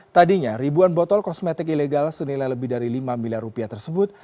tadinya ribuan botol kosmetik ilegal senilai lebih dari lima miliar rupiah tersebut